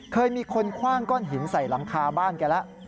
เคยมีคนคว่างก้อนหินใส่หลังคาบ้านแกแล้ว